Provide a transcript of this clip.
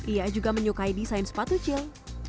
ia juga menyukai desain sepatu cil